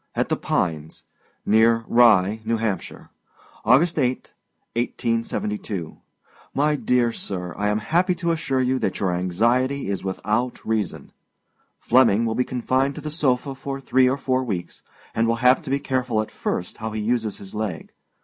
AT THE PINES. NEAR RYE, N.H. August 8, 1872. My Dear Sir: I am happy to assure you that your anxiety is without reason. Flemming will be confined to the sofa for three or four weeks, and will have to be careful at first how he uses his leg.